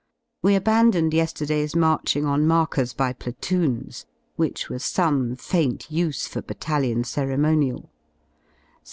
We abandoned ye»lerday*s marching on markers by platoons, which was some faint use for Battalion ceremonial.